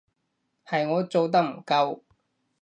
係我做得唔夠